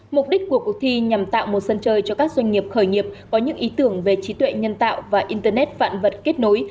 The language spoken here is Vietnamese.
mục đích của cuộc thi nhằm tạo một sân chơi cho các doanh nghiệp khởi nghiệp có những ý tưởng về trí tuệ nhân tạo và internet vạn vật kết nối